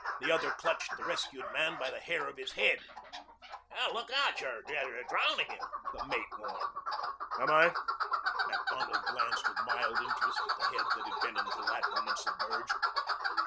The other clutched the rescued man by the hair of his head. "Look out. You're drowning him," the mate warned. "Am I?" Macdonald glanced with mild interest at the head that had been until that moment submerged.